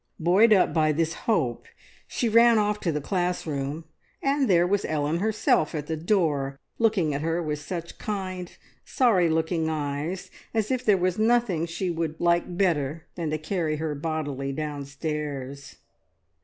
Buoyed up by this hope, she ran off to the classroom, and there was Ellen herself at the door, looking at her with such kind, sorry looking eyes, as if there was nothing she would like better than to carry her bodily downstairs.